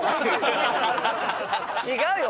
違うよ。